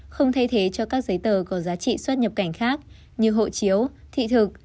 không thay thế cho các giấy tờ có giá trị xuất nhập cảnh khác như hộ chiếu thị thực